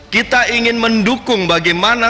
kita ingin mendukung bagaimana